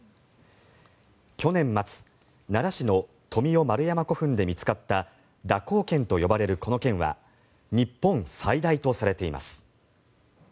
去年末奈良市の富雄丸山古墳で見つかった蛇行剣と呼ばれるこの剣は日本最大とされています。